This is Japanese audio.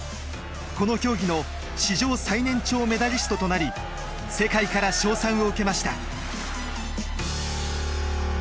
この競技の史上最年長メダリストとなり世界から称賛を受けました。